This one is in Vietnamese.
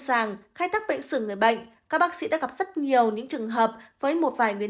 sàng khai tác bệnh sử người bệnh các bác sĩ đã gặp rất nhiều những trường hợp với một vài nguyên